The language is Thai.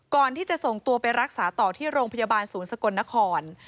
ก่อนที่จะส่งตัวไปรักษาต่อที่โรงพยาบาลศูนย์สกลนคร